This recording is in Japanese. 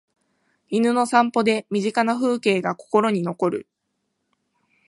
犬の散歩で身近な風景が心に残る